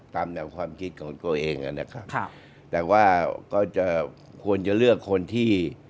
ตามแนวความคิดของตัวเองนะครับค่ะแต่ว่าก็จะควรจะเลือกคนที่